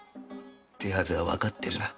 手はずはわかってるな？